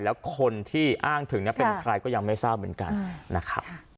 แล้วคนที่อ้างถึงเป็นใครก็ยังไม่ทราบเหมือนกันนะครับ